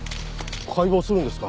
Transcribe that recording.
解剖するんですか？